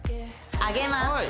上げます